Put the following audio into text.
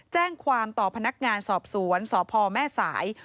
แจ้งความต่อพนักงานสอบสวนสพแม่สาย